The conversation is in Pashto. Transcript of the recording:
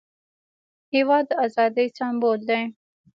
هېواد د ازادۍ سمبول دی.